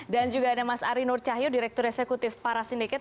dan juga ada mas ari nur cahyu direktur eksekutif para sindiket